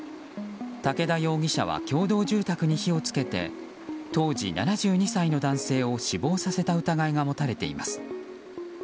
竹田容疑者は共同住宅に火を付けて当時７２歳の男性を死亡させた疑いが持たれています。